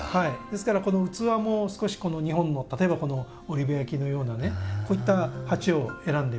ですから器も少し日本の例えばこの織部焼のようなねこういった鉢を選んでみたり。